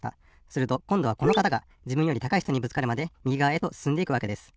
するとこんどはこの方がじぶんより高いひとにぶつかるまでみぎがわへとすすんでいくわけです。